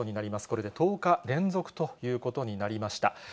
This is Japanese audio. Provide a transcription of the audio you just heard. これで１０日連続ということになりました。